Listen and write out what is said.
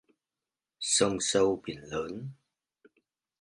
Sông sâu biển lớn